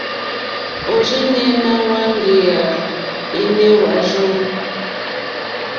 Òrzìɲɛ́ ná hwáŋɡèyà énè hwàrzù.